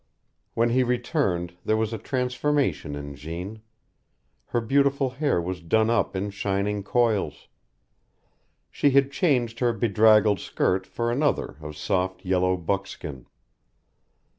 When he returned, there was a transformation in Jeanne. Her beautiful hair was done up in shining coils. She had changed her bedraggled skirt for another of soft, yellow buckskin.